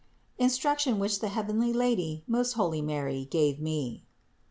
INSTRUCTION WHICH THE HEAVENLY LADY, MOST HOLY MARY, GAVE ME.